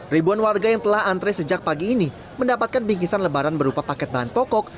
ribuan warga yang telah antre sejak pagi ini mendapatkan bingkisan lebaran berupa paket bahan pokok